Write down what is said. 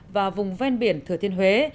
và vùng ven biển thừa thiên huế